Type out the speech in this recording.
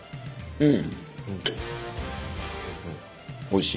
うん。